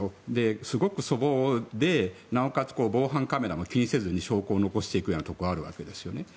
すごく粗暴でなおかつ、防犯カメラも気にせず証拠を残していくところがあるわけですよね。